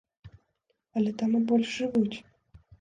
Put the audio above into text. Але там і больш жывуць.